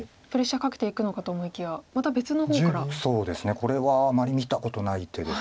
これはあまり見たことない手です